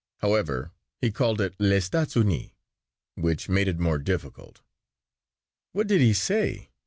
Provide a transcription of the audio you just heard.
However, he called it Les Etats Unis which made it more difficult. "What did he say?"